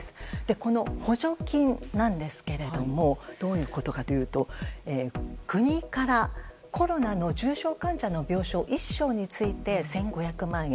この補助金なんですけどもどういうことかというと国からコロナの重症患者の病床１床について１５００万円。